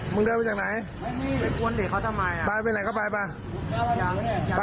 มึงเดินไปจากไหนไปไปไหนก็ไปไปไปไหนก็ไป